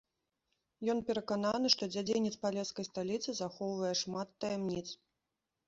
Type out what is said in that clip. Ён перакананы, што дзядзінец палескай сталіцы захоўвае шмат таямніц.